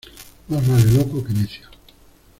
Más vale loco que necio.